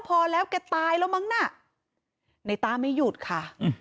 พอแล้วแกตายแล้วมั้งน่ะในต้าไม่หยุดค่ะ